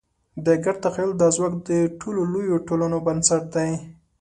د ګډ تخیل دا ځواک د ټولو لویو ټولنو بنسټ دی.